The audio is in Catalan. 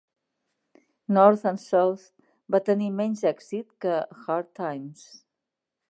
"North and South" va tenir menys èxit que "Hard Times".